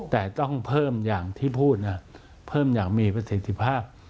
แต่ต้องเพิ่มอย่างที่พูดเพิ่มอย่างมีประสิทธิภาพ